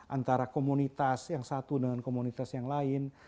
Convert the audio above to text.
antara komunitas yang satu dengan komunitas yang lain